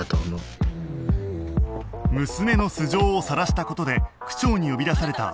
娘の素性をさらした事で区長に呼び出された葵は